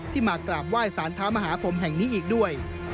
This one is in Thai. ที่มากราบไหว้ศาลท้ามหาภรรณ์แห่งนี้อีกด้วย